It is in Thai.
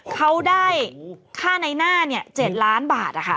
เขาได้ค่าในน่าเนี่ย๗ล้านบาทอะคะ